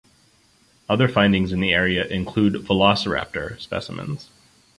Other findings in the area include “Velociraptor” specimens.